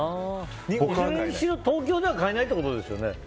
東京では買えないってことですよね。